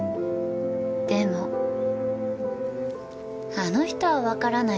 でもあの人は分からないけど。